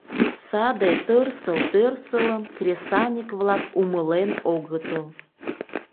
Саде тырсыл-тӧрсылым кресаньык-влак умылен огытыл.